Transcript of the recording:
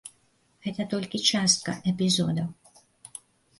Гэта толькі частка эпізодаў.